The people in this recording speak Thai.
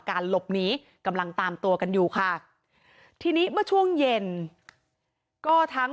หลบหนีกำลังตามตัวกันอยู่ค่ะทีนี้เมื่อช่วงเย็นก็ทั้ง